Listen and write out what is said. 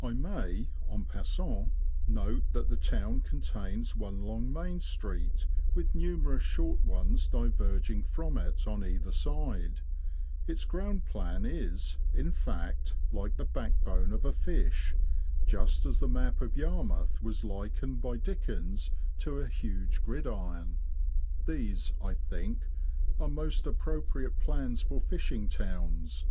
I may, en passant, note that the town contains one long main street, with numerous short ones diverging from it on either side; its ground plan is, in fact, like the backbone of a fish, just as the map of Yarmouth was likened by Dickens to a huge gridiron. These, I think, are most appropriate plans for fishing towns.